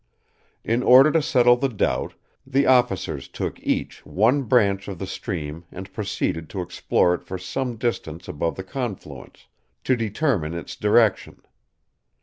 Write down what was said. In order to settle the doubt, the officers took each one branch of the stream and proceeded to explore it for some distance above the confluence, to determine its direction.